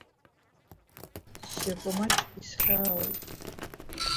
Сшьапы маҷк исхьаауеит…